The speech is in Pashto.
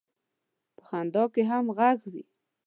په خندا کې هم غږ وي.